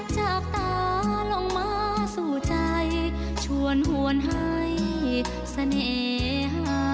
จากตาลงมาสู่ใจชวนหวนให้เสน่หา